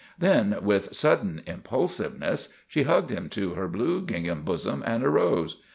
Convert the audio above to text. Then, with sudden impulsiveness, she hugged him to her blue gingham bosom and arose.